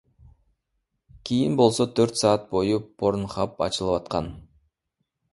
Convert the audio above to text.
Кийин болсо төрт саат бою Порнхаб ачылып жаткан.